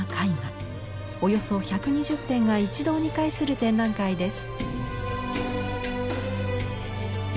およそ１２０点が一堂に会する展覧会です。